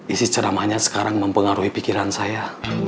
isi ceramahnya sekarang mempengaruhi pikiran saya